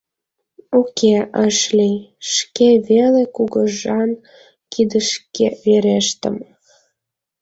Уке, ыш лий: шке веле кугыжан кидышке верештым.